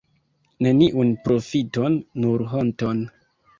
Neniun profiton, nur honton!